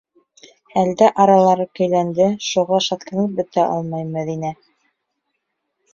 Әлдә аралары көйләнде - шуға шатланып бөтә алмай Мәҙинә.